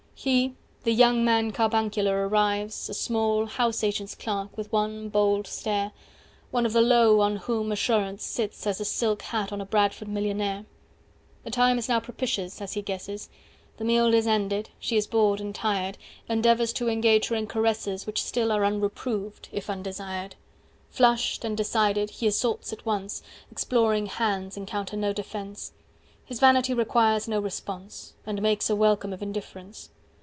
230 He, the young man carbuncular, arrives, A small house agent's clerk, with one bold stare, One of the low on whom assurance sits As a silk hat on a Bradford millionaire. The time is now propitious, as he guesses, 235 The meal is ended, she is bored and tired, Endeavours to engage her in caresses Which still are unreproved, if undesired. Flushed and decided, he assaults at once; Exploring hands encounter no defence; 240 His vanity requires no response, And makes a welcome of indifference.